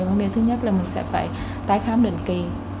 vấn đề thứ nhất là tới khám định kỳ